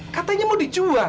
katanya mau dijual